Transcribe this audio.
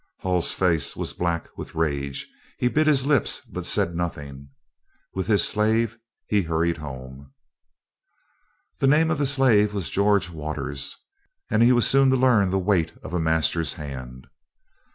Hull's face was black with rage. He bit his lips, but said nothing. With his slave, he hurried home. The name of the slave was George Waters, and he was soon to learn the weight of a master's hand.